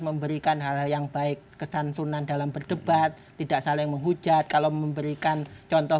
memberikan hal yang baik kesantunan dalam berdebat tidak saling menghujat kalau memberikan contoh